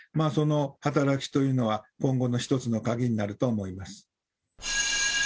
その働きというのは、今後の一つの鍵になると思います。